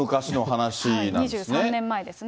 ２３年前ですね。